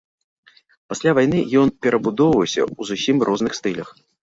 Пасля вайны ён перабудоўваўся ў зусім розных стылях.